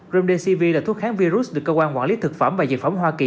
remdesivir là thuốc kháng virus được cơ quan quản lý thực phẩm và dịch phẩm hoa kỳ